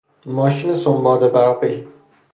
ماشین سنباده برقی